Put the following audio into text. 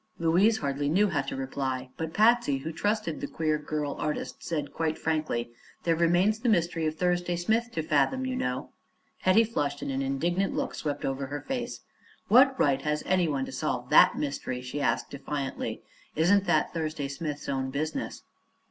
Louise hardly knew how to reply; but Patsy, who trusted the queer girl artist, said quite frankly: "There remains the mystery of Thursday Smith to fathom, you know." Hetty flushed and an indignant look swept over her face. "What right has anyone to solve that mystery?" she asked defiantly. "Isn't that Thursday Smith's own business?"